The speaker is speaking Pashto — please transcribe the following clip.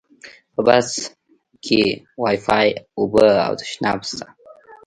په بس کې وایفای، اوبه او تشناب شته.